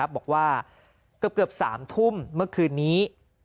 บอกว่าเกือบ๓ทุ่มเมื่อคืนนี้